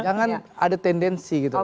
jangan ada tendensi gitu